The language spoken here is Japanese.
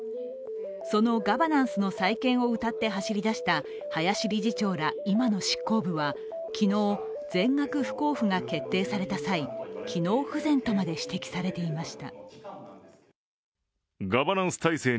そのガバナンスの再建をうたって走りだした林理事長ら、今の執行部は昨日、全額不交付が決定された際、機能不全とまで指摘されていました。